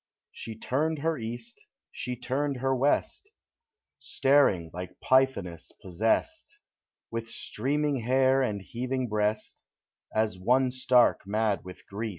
She turned her East, she turned her West, Staring like Pythoness possest, . With streaming hair and heaving breast, As one stark mad with grief.